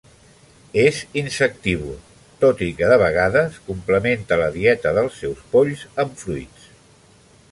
És insectívor, tot i que de vegades complementa la dieta dels seus polls amb fruits.